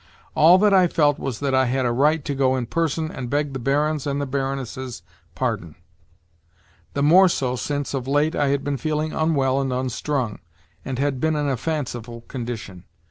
All that I felt was that I had a right to go in person and beg the Baron's and the Baroness's pardon—the more so since, of late, I had been feeling unwell and unstrung, and had been in a fanciful condition.